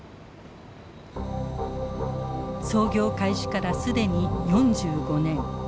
操業開始から既に４５年。